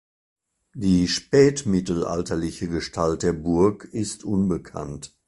Die spätmittelalterliche Gestalt der Burg ist unbekannt.